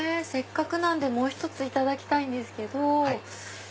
せっかくなんでもう１ついただきたいんですけど。